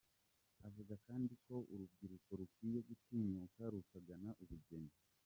Avuga kandi ko urubyiruko rukwiye gutinyuka rukagana ubugeni.